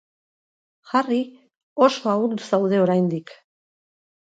Jarri, oso ahul zaude oraindik.